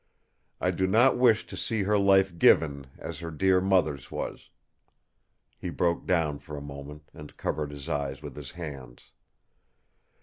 I do not wish to see her life given, as her dear mother's was—" He broke down for a moment, and covered his eyes with his hands.